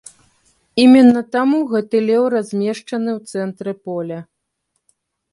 Іменна таму гэты леў размешчаны ў цэнтры поля.